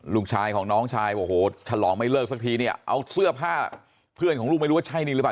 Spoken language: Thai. ลูกชายของน้องชายฉลองไม่เลิกสักทีเอาเสื้อผ้าเพื่อนของลูกไม่รู้ว่าใช่นึงละหรือไม่